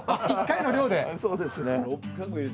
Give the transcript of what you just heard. そうですね。